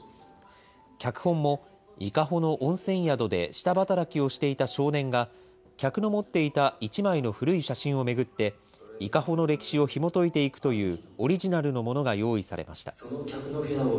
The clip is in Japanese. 脚本も伊香保の温泉宿で、下働きをしていた少年が、客の持っていた１枚の古い写真を巡って、伊香保の歴史をひもといていくという、オリジナルのものが用意さ